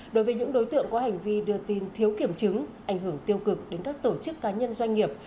đối với những đối tượng có hành vi đưa tin thiếu kiểm chứng ảnh hưởng tiêu cực đến các tổ chức cá nhân doanh nghiệp